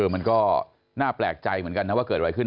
มันก็น่าแปลกใจเหมือนกันนะว่าเกิดอะไรขึ้น